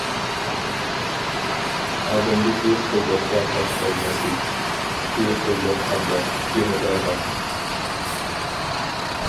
ئادەمدىكى قۇللۇققا باش ئەگمەسلىك، ئىتتىكى قۇللۇق قاندا، گېندا بار.